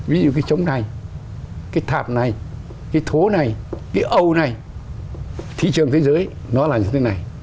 ví dụ cái trống này cái thạp này cái thố này cái âu này thị trường thế giới nó là như thế này